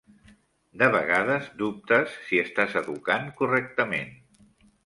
De vegades dubtes si estàs educant correctament.